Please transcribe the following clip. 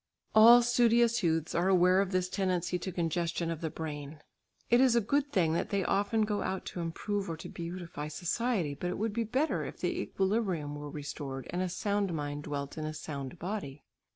All studious youths are aware of this tendency to congestion of the brain. It is a good thing that they often go out to improve or to beautify society, but it would be better if the equilibrium were restored, and a sound mind dwelt in a sound body.